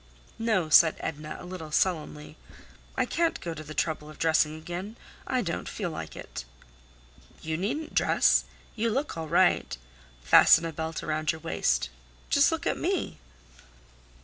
"No," said Edna, a little sullenly. "I can't go to the trouble of dressing again; I don't feel like it." "You needn't dress; you look all right; fasten a belt around your waist. Just look at me!"